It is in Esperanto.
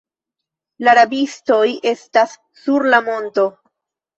La rabistoj estas sur la monto.